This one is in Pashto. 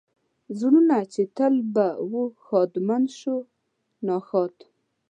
زړونه چې تل به و ښادمن شو ناښاد.